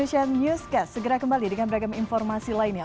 di channel indonesia newscast segera kembali dengan beragam informasi lainnya